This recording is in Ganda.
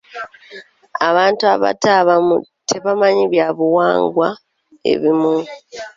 Abantu abato abamu tebamanyi byabuwangwa ebimu.